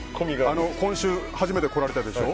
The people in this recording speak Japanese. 今週初めて来られたでしょ？